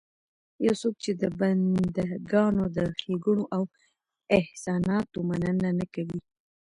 يو څوک چې د بنده ګانو د ښېګړو او احساناتو مننه نه کوي